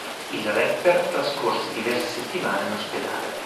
Il rapper trascorse diverse settimane in ospedale.